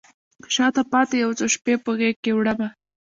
شاته پاته یو څو شپې په غیږکې وړمه